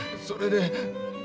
それで。